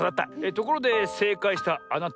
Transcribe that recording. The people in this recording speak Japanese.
ところでせいかいしたあなた。